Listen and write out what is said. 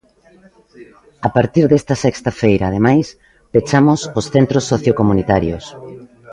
A partir desta sexta feira, ademais, "pechamos os centros sociocomuntarios".